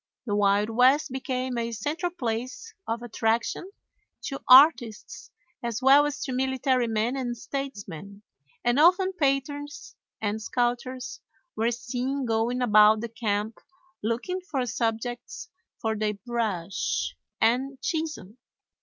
The Wild West became a central place of attraction to artists as well as to military men and statesmen, and often painters and sculptors were seen going about the camp looking for subjects for their brush and chisel.